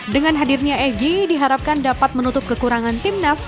dengan hadirnya egy diharapkan dapat menutup kekurangan timnas